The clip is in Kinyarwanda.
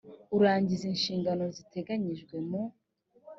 urangiza inshingano ziteganyijwe mu